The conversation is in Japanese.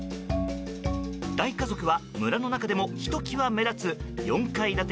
大家族は村の中でもひときわ目立つ４階建て